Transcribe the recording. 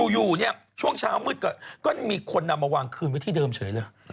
อยู่เนี่ยช่วงเช้ามืดก็มีคนนำมาวางคืนไว้ที่เดิมเฉยเลย